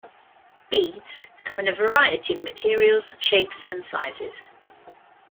Beads come in a variety of materials, shapes and sizes.